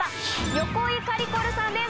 横井かりこるさんです